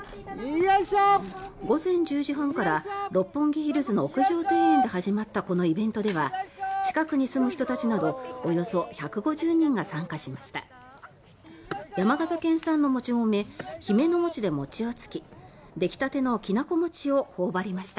午前１０時半から六本木ヒルズの屋上庭園で始まったこのイベントでは近くに住む人たちなどおよそ１５０人が参加しました。